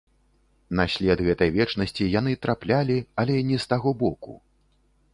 На след гэтай вечнасці яны траплялі, але не з таго боку.